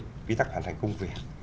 nguy tắc hoàn thành công việc